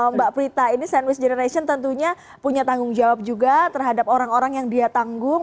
mbak prita ini sandwich generation tentunya punya tanggung jawab juga terhadap orang orang yang dia tanggung